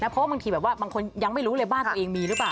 เพราะว่าบางทีแบบว่าบางคนยังไม่รู้เลยบ้านตัวเองมีหรือเปล่า